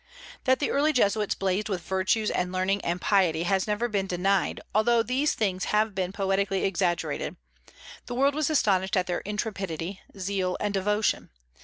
That the early Jesuits blazed with virtues and learning and piety has never been denied, although these things have been poetically exaggerated. The world was astonished at their intrepidity, zeal, and devotion.